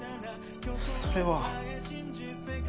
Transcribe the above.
それは。